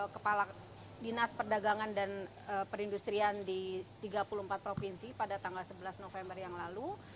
kepala dinas perdagangan dan perindustrian di tiga puluh empat provinsi pada tanggal sebelas november yang lalu